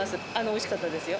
おいしかったですよ。